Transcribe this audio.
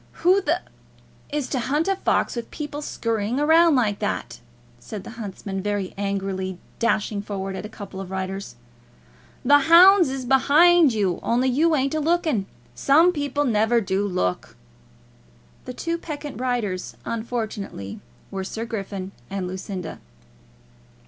"Who the is to hunt a fox with people scurrying about like that!" said the huntsman, very angrily, dashing forward at a couple of riders. "The hounds is behind you, only you ain't a looking. Some people never do look!" The two peccant riders unfortunately were Sir Griffin and Lucinda.